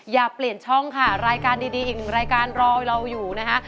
อย่าเปลี่ยนช่องค่ะรายการดีอีกหนึ่งรายการรอเราอยู่นะคะ